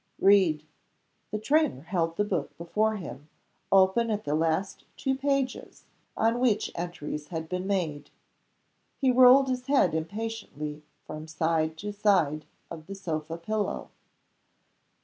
"Read." The trainer held the book before him; open at the last two pages on which entries had been made. He rolled his head impatiently from side to side of the sofa pillow.